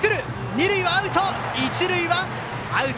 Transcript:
二塁アウト、一塁もアウト。